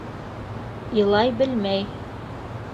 Илай белмәй.